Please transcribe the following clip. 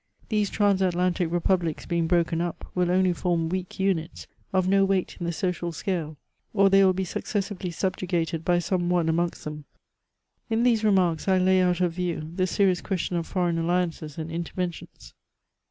These transatlantic republics being broken up, will only form weak units* of no weight ia the social scale, or they wiU be successively subjugated by some one amongst them. In these remarks I lay out of view the serious question of foreign alliances and interventions.